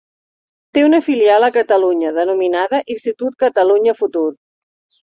Té una filial a Catalunya denominada Institut Catalunya Futur.